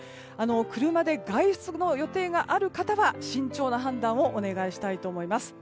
車で外出の予定がある方は慎重な判断をお願いしたいと思います。